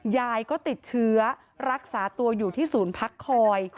ยายก็ติดเชื้อรักษาตัวอยู่ที่ศูนย์พักคอย